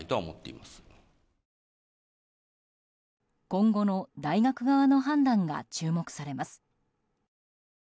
今後の大学側の判断が注目されます。